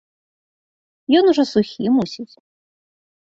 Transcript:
Ён ужо сухі, мусіць.